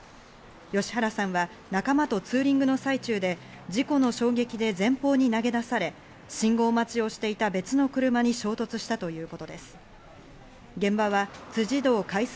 吉原さんは仲間とツーリングの最中で事故の衝撃で前方に投げ出され、信号待ちをしていた別の車に衝突したということです。